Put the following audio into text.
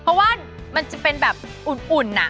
เพราะว่ามันจะเป็นแบบอุ่น